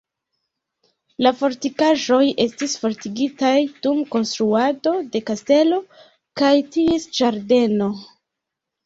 La fortikaĵoj estis forigitaj dum konstruado de kastelo kaj ties ĝardeno.